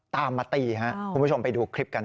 ตามมาตีคุณผู้ชมไปดูคลิปกัน